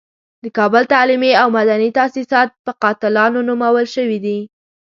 د کابل تعلیمي او مدني تاسیسات په قاتلانو نومول شوي دي.